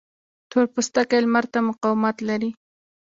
تور پوستکی لمر ته مقاومت لري